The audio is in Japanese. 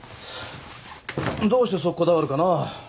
どうしてそうこだわるかな。